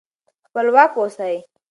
خپلواک اوسئ.